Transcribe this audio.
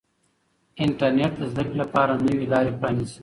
انټرنیټ د زده کړې لپاره نوې لارې پرانیزي.